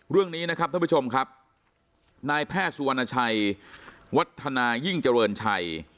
เรื่องนี้นะครับท่านผู้ชมครับนายแพทย์สุวรรณชัยวัฒนายิ่งเจริญชัย